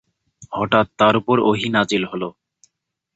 হঠাৎ তার ওপর ওহী নাযিল হলো।